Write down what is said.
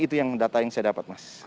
itu yang data yang saya dapat mas